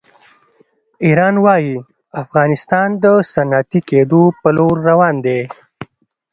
ایران وایي افغانستان د صنعتي کېدو په لور روان دی.